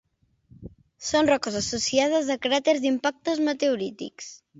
Són roques associades a cràters d'impactes meteorítics.